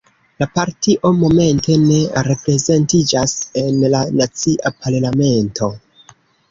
La partio momente ne reprezentiĝas en la nacia parlamento.